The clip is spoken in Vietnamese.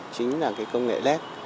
chính là công nghệ led